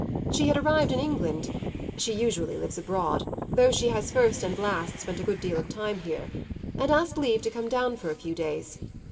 She had arrived in England (she usually lives abroad, though she has first and last spent a good deal of time here), and asked leave to come down for a few days.